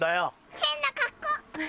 変な格好！